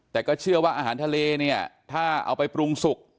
แต่ก็เชื่อว่าอาหารทะเลเนี่ยถ้าเอาไปปรุงสุก